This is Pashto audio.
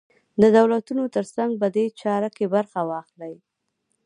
د دولتونو تر څنګ په دې چاره کې برخه واخلي.